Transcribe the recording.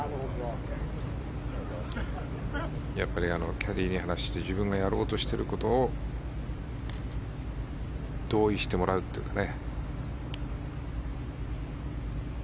キャディーに話をして自分のやろうとしていることを同意してもらうというかね。